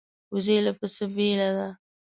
وزې له پسه بېله ده